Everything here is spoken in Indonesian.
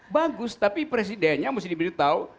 bagus bagus tapi presidennya mesti dibilang tau